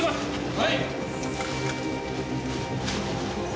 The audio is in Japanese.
はい！